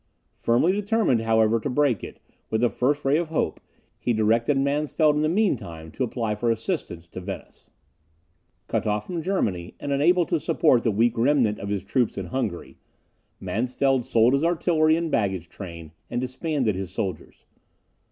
Firmly determined, however, to break it, with the first ray of hope, he directed Mansfeld in the mean time to apply for assistance to Venice. Cut off from Germany, and unable to support the weak remnant of his troops in Hungary, Mansfeld sold his artillery and baggage train, and disbanded his soldiers.